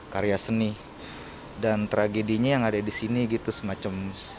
karya seni dan tragedinya yang ada di sini gitu semacam